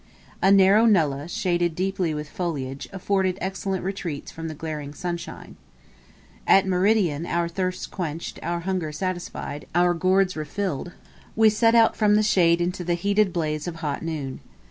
A narrow nullah, shaded deeply with foliage, afforded excellent retreats from the glaring sunshine. At meridian, our thirst quenched, our hunger satisfied, our gourds refilled, we set out from the shade into the heated blaze of hot noon.